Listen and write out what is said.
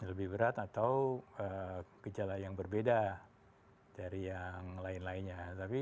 lebih berat atau gejala yang berbeda dari yang lain lainnya